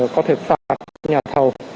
có thể phạt nhà thầu